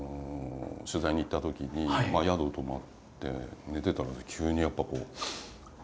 取材に行ったときに宿泊まって寝てたら急にやっぱこう重くなってきて。